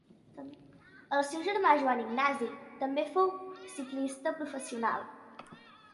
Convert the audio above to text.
El seu germà Joan Ignasi també fou ciclista professional.